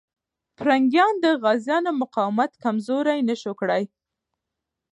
پرنګیان د غازيانو مقاومت کمزوری نسو کړای.